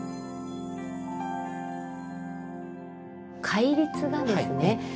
戒律がですね